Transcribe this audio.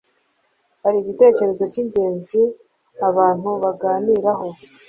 Hari igitekerezo k'ingenzi abantu baganiraho.